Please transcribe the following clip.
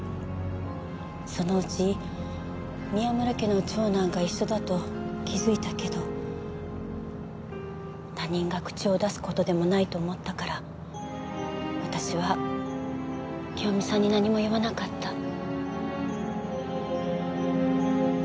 そのうち宮村家の長男が一緒だと気づいたけど他人が口を出す事でもないと思ったから私は清美さんに何も言わなかった。